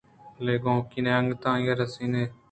بلے گوکین انگت آئی ءَ رسینان اَت